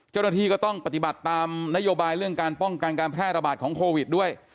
เจ้าหน้าที่ก็ต้องปฏิบัติตามนโยบายเรื่องการป้องกันการแพร่ระบาดของโควิดด้วย